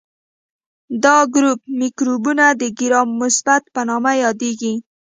دا ګروپ مکروبونه د ګرام مثبت په نوم یادیږي.